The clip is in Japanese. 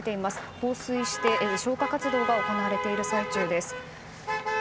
放水して消火活動が行われている最中です。